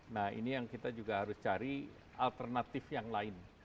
nah ini yang kita juga harus cari alternatif yang lain